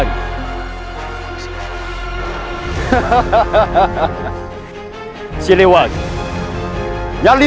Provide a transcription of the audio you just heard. jika dia melewati punya masalah